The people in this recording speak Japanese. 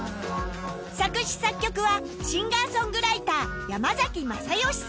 作詞作曲はシンガー・ソングライター山崎まさよしさん